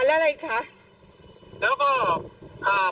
เบื้องต้น๑๕๐๐๐และยังต้องมีค่าสับประโลยีอีกนะครับ